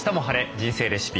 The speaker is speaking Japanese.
人生レシピ」